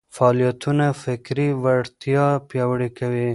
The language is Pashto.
فعالیتونه فکري وړتیا پياوړې کوي.